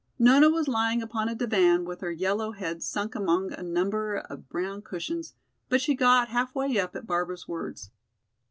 Nona was lying upon a divan with her yellow head sunk among a number of brown cushions, but she got half way up at Barbara's words.